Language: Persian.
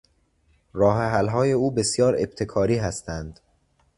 راهحلهای او بسیار ابتکاری هستند.